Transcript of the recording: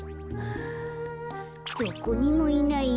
どこにもいない